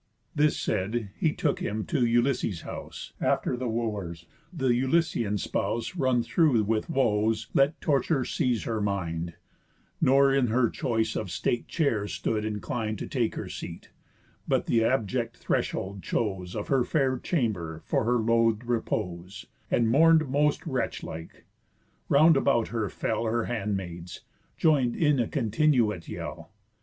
This said, he took him to Ulysses' house After the Wooers; the Ulyssean spouse, Run through with woes, let Torture seize her mind, Nor in her choice of state chairs stood inclin'd To take her seat, but th' abject threshold chose Of her fair chamber for her loath'd repose, And mourn'd most wretch like. Round about her fell Her handmaids, join'd in a continuate yell.